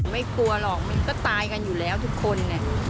ไม่กลัวหรอกมันก็ตายกันอยู่แล้วทุกคน